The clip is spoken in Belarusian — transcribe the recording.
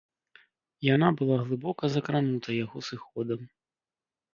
Яна была глыбока закранута яго сыходам.